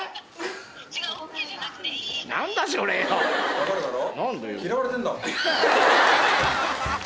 分かるだろ？